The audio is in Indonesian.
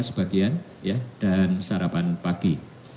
sebagian dan sarapan pagi